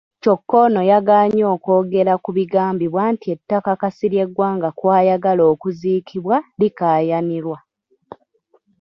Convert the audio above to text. Kyokka ono yagaanye okwogera ku bigambibwa nti ettaka Kasirye Gwanga kw'ayagala okuziikibwa likaayanirwa.